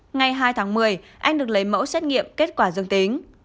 ngày hai tháng một mươi anh được lấy mẫu xét nghiệm kết quả dương tính